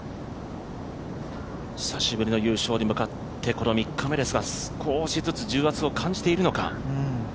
久しぶりの優勝に向かってこの３日目ですが、少しずつ重圧を感じているのか。